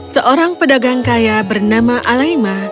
seorang pedagang kaya bernama alaima